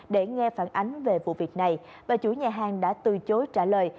để nghe phản ánh về vụ việc này và chủ nhà hàng đã từ chối trả lời